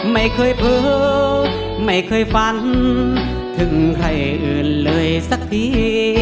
ไม่เคยเผลอไม่เคยฝันถึงใครอื่นเลยสักที